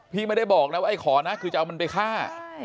ไม่ได้บอกแล้วไอ้ขอนะคือจะเอามันไปฆ่า